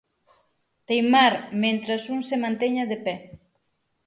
Teimar mentres un se manteña de pé.